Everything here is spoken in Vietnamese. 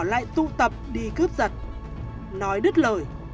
lại tụ tập đi cướp giật nói đứt lời